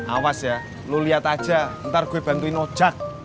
awas ya lo lihat aja ntar gue bantuin ojak